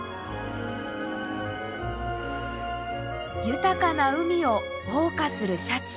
豊かな海をおう歌するシャチ。